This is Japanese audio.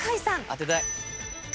当てたい。